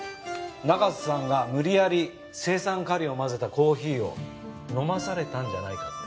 中瀬さんが無理やり青酸カリを混ぜたコーヒーを飲まされたんじゃないかって。